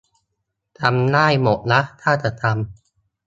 ทำได้หมดนะถ้าจะทำ